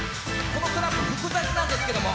このクラップ、複雑なんですけれども。